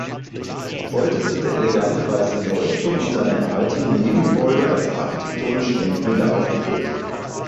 Heute sind der elegante weiße Leuchtturm und seine erhaltenen Nebengebäude als architektonische Denkmäler aufgeführt.